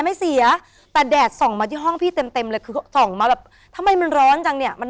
ไม่เสียแต่แดดส่องมาที่ห้องพี่เต็มเต็มเลยคือส่องมาแบบทำไมมันร้อนจังเนี่ยมัน